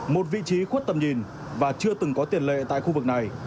một vị trí khuất tầm nhìn và chưa từng có tiền lệ tại khu vực này